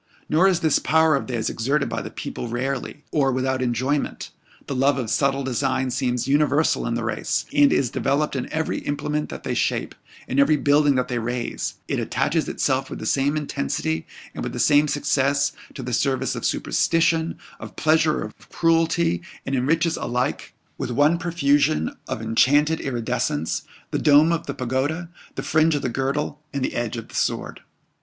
Nor is this power of theirs exerted by the people rarely, or without enjoyment; the love of subtle design seems universal in the race, and is developed in every implement that they shape, and every building that they raise; it attaches itself with the same intensity, and with the same success, to the service of superstition, of pleasure or of cruelty; and enriches alike, with one profusion on enchanted iridescence, the dome of the pagoda, the fringe of the girdle and the edge of the sword.